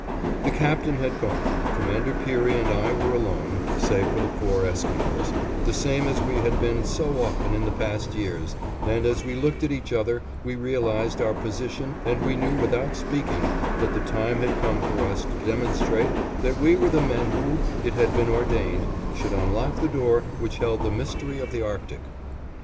The Captain had gone, Commander Peary and I were alone (save for the four Esquimos), the same as we had been so often in the past years, and as we looked at each other we realized our position and we knew without speaking that the time had come for us to demonstrate that we were the men who, it had been ordained, should unlock the door which held the mystery of the Arctic.